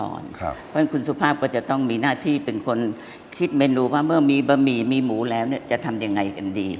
เพราะฉะนั้นคุณสุภาพก็จะต้องมีหน้าที่เป็นคนคิดเมนูว่าเมื่อมีบะหมี่มีหมูแล้วจะทำยังไงกันดี